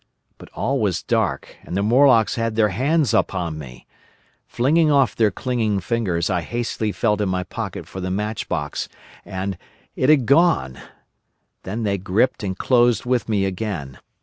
But all was dark, and the Morlocks had their hands upon me. Flinging off their clinging fingers I hastily felt in my pocket for the match box, and—it had gone! Then they gripped and closed with me again.